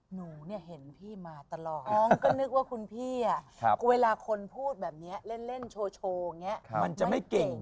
หนูเห็นพี่มาตลอดก็นึกว่าคุณพี่เวลาคนพูดแบบนี้เล่นโชว์โชว์ไงมันจะไม่เก่ง